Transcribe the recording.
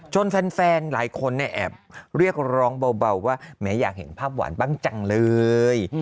แฟนหลายคนเนี่ยแอบเรียกร้องเบาว่าแม้อยากเห็นภาพหวานบ้างจังเลย